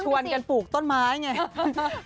มัวแต่ชวนกันปลูกต้นไม้ไง